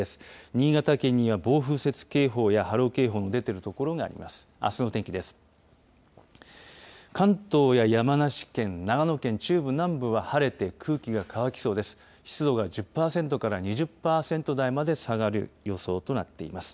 新潟県には暴風雪警報や波浪警報の出ている所があります。